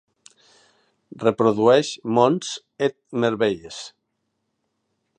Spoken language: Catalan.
Reprodueix Monts Et Merveilles.